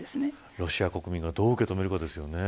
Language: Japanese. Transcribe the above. ロシア国民がどう受け止めるかですよね。